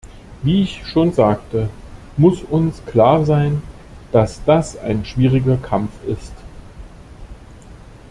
Wie ich schon sagte, muss uns klar sein, dass das ein schwieriger Kampf ist.